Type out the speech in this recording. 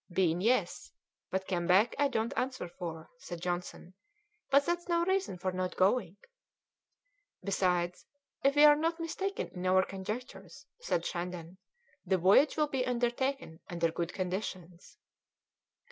"Been, yes; but come back I don't answer for," said Johnson; "but that's no reason for not going." "Besides, if we are not mistaken in our conjectures," said Shandon, "the voyage will be undertaken under good conditions.